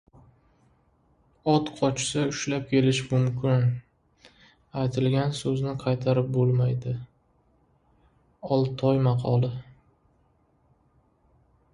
Ot qochsa ushlab kelish mumkin, aytilgan so‘zni qaytarib bo‘lmaydi. Oltoy maqoli